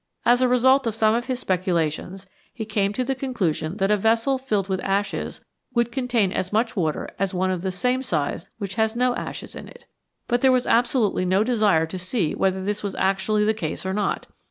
As a result of some of his speculations he came to the con clusion that a vessel filled with ashes would contain as much water as one of the same size which has no ashes in it. But there was absolutely no desire to see whether this was actually the case or not.